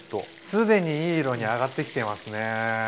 既にいい色に揚がってきていますね。